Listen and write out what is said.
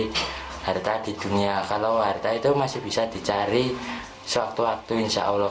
jadi harta di dunia kalau harta itu masih bisa dicari sewaktu waktu insya allah